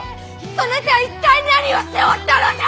そなた一体何をしておったのじゃ！